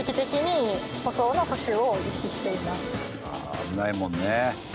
危ないもんね。